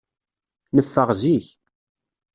Neffeɣ zik.